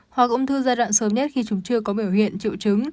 hoặc ung thư giai đoạn sớm nhất khi chúng chưa có biểu hiện triệu chứng